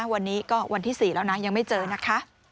วันนี้ก็วันที่๔แล้วนะยังไม่เจอนะคะ